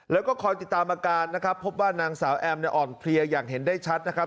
แล้วก็คอยติดตามอาการนะครับพบว่านางสาวแอมเนี่ยอ่อนเพลียอย่างเห็นได้ชัดนะครับ